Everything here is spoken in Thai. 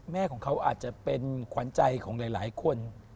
แม่ของเขาอาจจะเป็นขวัญใจของหลายคน